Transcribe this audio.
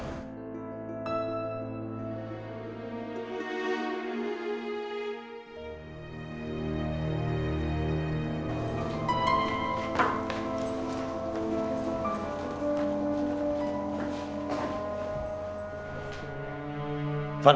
sabar pak harun